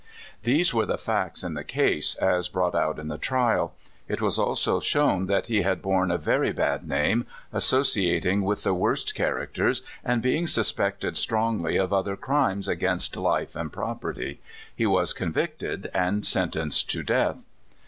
These were the facts in the case, as brought out in the trial. It was also shown that he had borne a very bad name, associating with the worst char acters, and being suspected strongly of other crimes against life and property. He was convicted and sentenced to death.